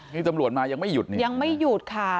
นี่ตำรวจมายังไม่หยุดเนี่ยยังไม่หยุดค่ะ